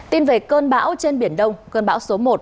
tin về cơn bão trên biển đông cơn bão số một